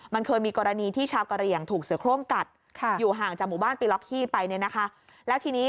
มันเคยมีกรณีที่ชาวเกรียงถูกเสือโคร่งกัดอยู่ห่างจากหมู่บ้านปิล็อกที่ไป